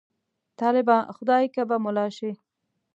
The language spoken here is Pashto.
طالبه! خدای که به ملا شې.